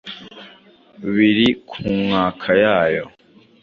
biri ku nkaka yayo